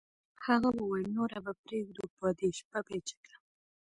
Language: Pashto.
هغه وویل نوره به پرېږدو په دې شپه پیچکه